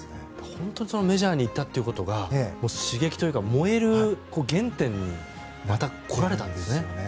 本当にメジャーにいたことが刺激というか燃える原点にまた来られたんですね。